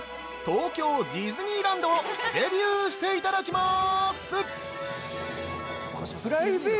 東京ディズニーランドをデビューしていただきます。